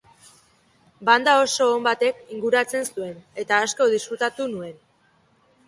Banda oso on batek inguratzen zuen, eta asko disfrutatu nuen.